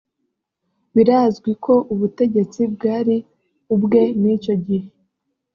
birazwi ko ubutegetsi bwari ubwe n’icyo gihe